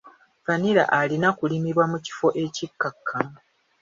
Vanilla alina kulimibwa mu kifo ekikakkamu.